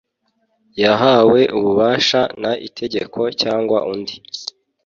yahawe ububasha n itegeko cyangwa undi